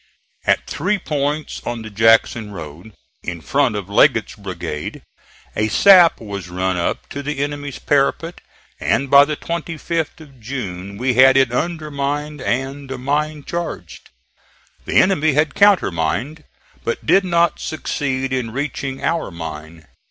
At three points on the Jackson road, in front of Leggett's brigade, a sap was run up to the enemy's parapet, and by the 25th of June we had it undermined and the mine charged. The enemy had countermined, but did not succeed in reaching our mine.